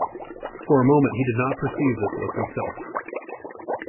For a moment he did not perceive this was himself.